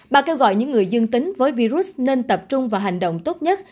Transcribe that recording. bà kêu gọi những người dương tính với virus nên tập trung vào hành động tốt nhất